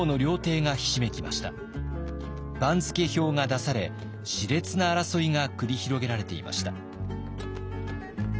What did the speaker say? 番付表が出されしれつな争いが繰り広げられていました。